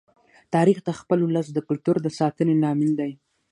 تاریخ د خپل ولس د کلتور د ساتنې لامل دی.